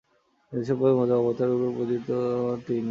হিন্দু-সম্প্রদায়ের মধ্যে অবতার-পুরুষরূপে তিনি পূজিত।